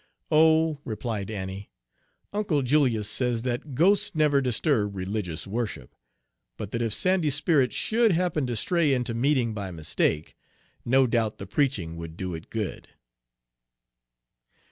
"Oh," replied Annie, "Uncle Julius says that ghosts never disturb religious worship, but that if Sandy's spirit should happen to stray into meeting by mistake, no doubt the preaching would do it good."